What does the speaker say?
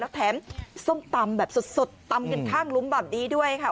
แถมส้มตำแบบสดตำกันข้างลุ้มแบบนี้ด้วยค่ะ